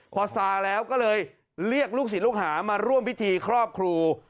พอซาแล้วก็เลยเรียกลูกศิษย์ลูกหามาร่วมพิธีครอบครู